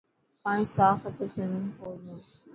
پاڻي صاف هتو سومنگپول ۾.